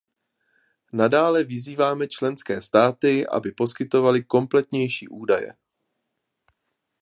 Nadále vyzýváme členské státy, aby poskytovaly kompletnější údaje.